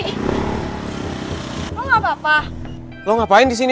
harusnya gue yang nanya lo lo ngapain di sini